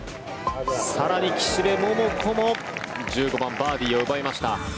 更に岸部桃子も１５番、バーディーを奪いました。